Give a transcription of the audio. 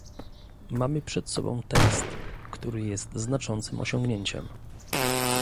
mamy przed sobą tekst, który jest znaczącym osiągnięciem